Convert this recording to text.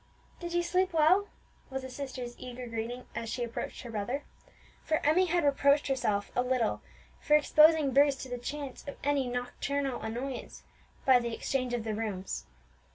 "Did you sleep well?" was the sister's eager greeting as she approached her brother; for Emmie had reproached herself a little for exposing Bruce to the chance of any nocturnal annoyance by the exchange of the rooms.